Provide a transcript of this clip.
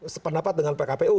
sependapat dengan pkpu